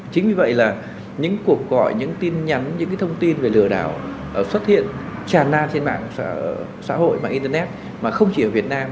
chính vì vậy là những cuộc gọi những tin nhắn những thông tin về lừa đảo xuất hiện tràn na trên mạng xã hội mạng internet mà không chỉ ở việt nam